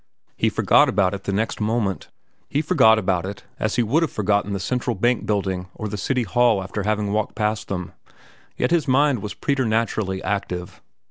He forgot about it the next moment. He forgot about it as he would have forgotten the Central Bank Building or the City Hall after having walked past them. Yet his mind was preternaturally active.